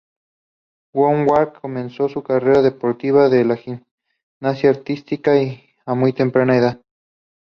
Woodward comenzó su carrera deportiva en la gimnasia artística a muy temprana edad.